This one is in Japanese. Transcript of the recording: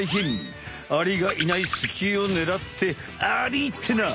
アリがいないスキをねらってアリってな！